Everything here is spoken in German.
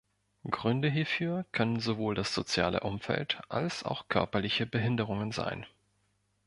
Gründe hierfür können sowohl das soziale Umfeld als auch körperliche Behinderungen sein.